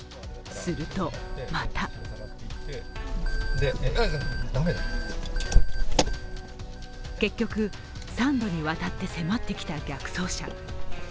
すると、また結局、３度にわたって迫ってきた逆走車。